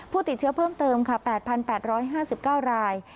ติดเชื้อเพิ่มเติมค่ะ๘๘๕๙ราย